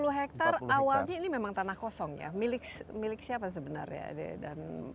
empat puluh hektar awalnya ini memang tanah kosong ya milik siapa sebenarnya